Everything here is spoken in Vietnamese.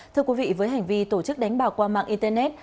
thưa quý vị với hành vi tổ chức đánh bào qua mạng internet